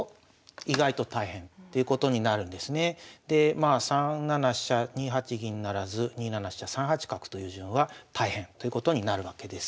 まあ３七飛車２八銀不成２七飛車３八角という順は大変ということになるわけです。